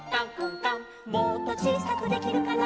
「もっとちいさくできるかな」